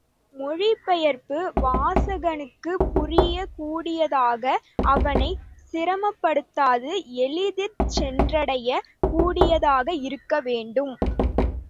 மொழிபெயர்ப்பு வாசகனுக்குப் புரியக் கூடியதாக - அவனைச் சிரமப்படுத்தாது, எளிதிற் சென்றடையக் கூடியதாக இருக்க வேண்டும்.